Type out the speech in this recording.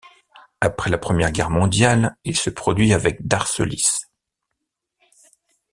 Après la première guerre mondiale, il se produit avec Darcelys.